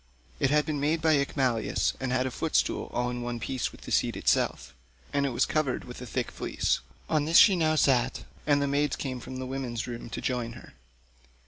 It had been made by Icmalius and had a footstool all in one piece with the seat itself; and it was covered with a thick fleece: on this she now sat, and the maids came from the women's room to join her.